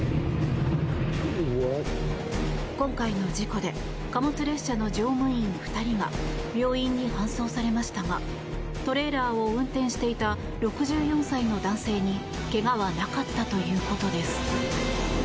今回の事故で貨物列車の乗務員２人が病院に搬送されましたがトレーラーを運転していた６４歳の男性に怪我はなかったということです。